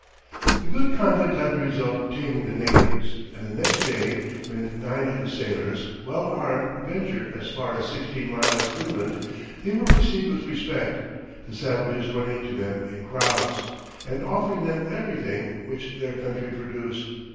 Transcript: This good conduct had the result of taming the natives, and the next day, when nine of the sailors, well armed, ventured as far as sixteen miles inland, they were received with respect, the savages running to them in crowds, and offering them everything which their country produced.